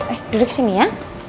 eh duduk sini ya